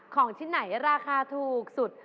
ของชิ้นไหนราคาถูกสุด